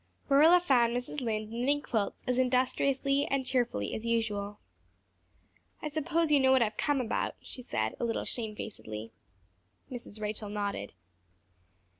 Marilla found Mrs. Lynde knitting quilts as industriously and cheerfully as usual. "I suppose you know what I've come about," she said, a little shamefacedly. Mrs. Rachel nodded.